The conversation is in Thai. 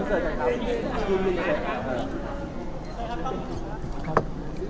ขอบคุณครับ